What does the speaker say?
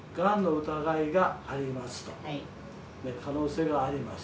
可能性があります。